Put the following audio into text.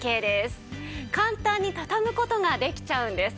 簡単に畳む事ができちゃうんです。